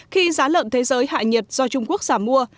khi giá lợn thế giới hại nhiệt do trung quốc giảm mua